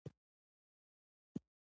رومیان په بازار کې هر وخت پیدا کېږي